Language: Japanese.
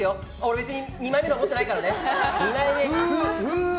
別に２枚目とか思ってないからね。